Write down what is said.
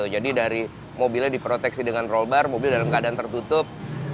jadi dari mobilnya diproteksi dengan roll bar mobil dalam keadaan tertutup